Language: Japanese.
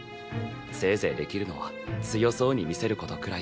せいぜいできるのは強そうに見せることくらいだ。